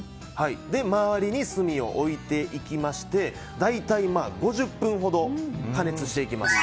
周りに炭を置いていきまして大体５０分ほど加熱していきます。